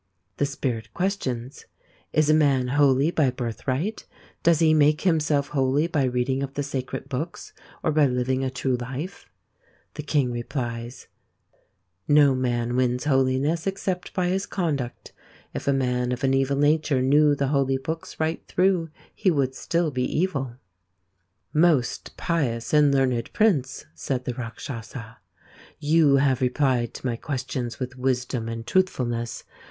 "' The Spirit questions : Is a man holy by birth right ? Does he make himself holy by reading of the sacred books or by living a true life ? The King replies : No man wins holiness except by his conduct. If a man of an evil nature knew the holy^books right through, he would still he evil " Most pious and learned Prince," said the Rakshasa, " you have replied to my questions with wisdom and truthfulness.